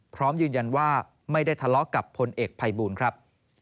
พร้อมยืนยันว่าไม่ได้ทะเลาะกับพลเอกภัยบูลครับ